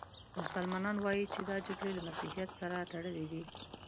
مسلمانان وايي چې دا جګړې له مسیحیت سره تړلې دي.